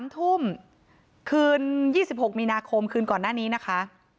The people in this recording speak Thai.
๓ทุ่มคืน๒๖มีนาคมคืนก่อนหน้านี้นะคะ